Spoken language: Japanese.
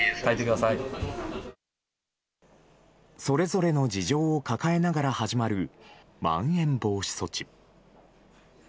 それぞれの事情を抱えながら始まる、まん延防止措置。